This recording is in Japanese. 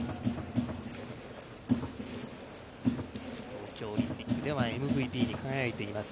東京オリンピックでＭＶＰに輝いています